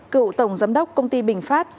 cựu tổng giám đốc công ty bình phát